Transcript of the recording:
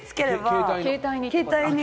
携帯に？